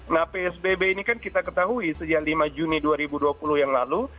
nah psbb ini kan kita ketahui sejak lima juni dua ribu dua puluh yang lalu